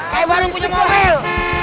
kayak baru puji mobil